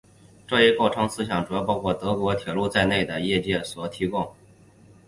这一构思是由包括德国铁路在内的业界所提供。